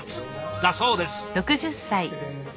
だそうです。